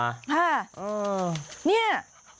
ฮ่าเนี่ย